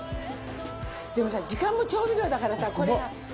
でもさ時間も調味料だからさ。